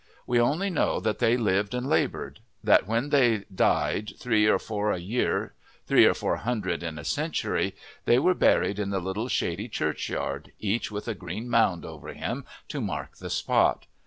We only know that they lived and laboured; that when they died, three or four a year, three or four hundred in a century, they were buried in the little shady churchyard, each with a green mound over him to mark the spot.